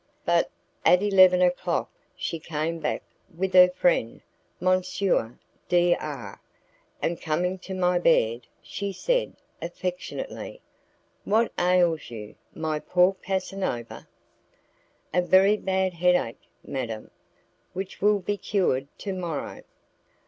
But at eleven o'clock she came back with her friend, M. D R , and coming to my bed she said, affectionately, "What ails you, my poor Casanova?" "A very bad headache, madam, which will be cured to morrow."